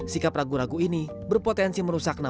sikap ragu ragu ini berpotensi merusak nama